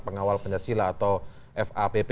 pertama adalah fapp